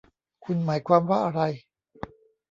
คุณหมายความว่าอะไร